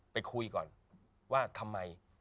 ไปคุยก่อนว่าทำไม